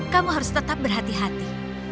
kamu harus tetap berhati hati